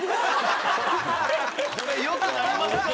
これ良くなりますか？